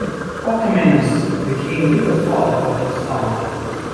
Orchomenus became legal father of her son.